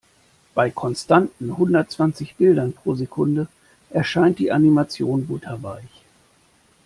Bei konstanten hundertzwanzig Bildern pro Sekunde erscheinen die Animationen butterweich.